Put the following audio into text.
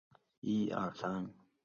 后改为正规小学到回归后结束。